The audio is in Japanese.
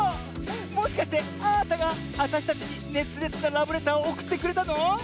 もしかしてあなたがあたしたちにねつれつなラブレターをおくってくれたの？